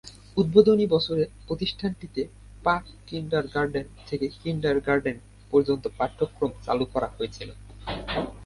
উদ্বোধনী বছরে প্রতিষ্ঠানটিতে প্রাক কিন্ডারগার্টেন থেকে কিন্ডারগার্টেন পর্যন্ত পাঠ্যক্রম চালু করা হয়েছিল।